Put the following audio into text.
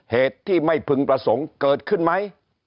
เหตุที่ไม่พึงประสงค์เกิดขึ้นไหม